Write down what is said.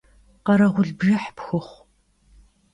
Khereğul bjjıh pxuxhu!